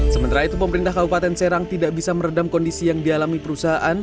sementara itu pemerintah kabupaten serang tidak bisa meredam kondisi yang dialami perusahaan